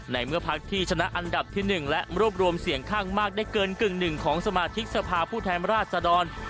เมื่อพักที่ชนะอันดับที่๑และรวบรวมเสียงข้างมากได้เกินกึ่งหนึ่งของสมาชิกสภาพผู้แทนราชดร